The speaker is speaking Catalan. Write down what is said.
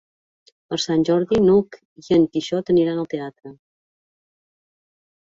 Per Sant Jordi n'Hug i en Quixot aniran al teatre.